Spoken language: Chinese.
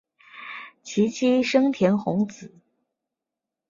其妻笙田弘子。